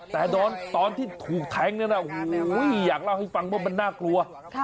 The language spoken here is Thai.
แต่ตอนที่ถูกแทงนั้นอยากเล่าให้ฟังว่ามันน่ากลัว